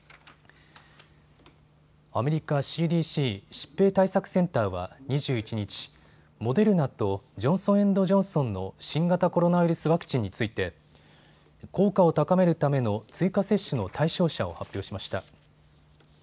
アメリカＣＤＣ・疾病対策センターは２１日、モデルナとジョンソン・エンド・ジョンソンの新型コロナウイルスワクチンについて効果を高めるための追加接種の対象者を発表しました。